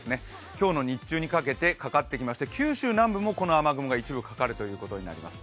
今日の日中にかけてかかってきまして九州南部にもこの雨雲が一部、かかるということになります